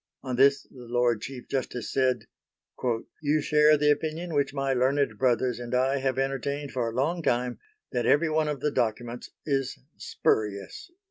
On this the Lord Chief Justice said: "You share the opinion which my learned brothers and I have entertained for a long time; that every one of the documents is spurious."